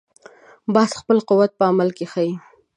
باز خپل قوت په عمل کې ښيي